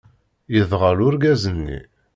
Yedɣel urgaz-nni!